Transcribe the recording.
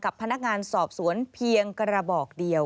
กับพนักงานสอบสวนเพียงกระบอกเดียว